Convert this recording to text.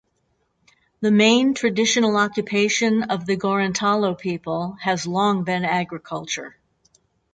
The main traditional occupation of the Gorontalo people has long been agriculture.